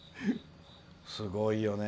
すごいよね。